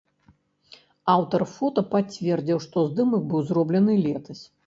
Аўтар фота пацвердзіў, што здымак быў зроблены летась.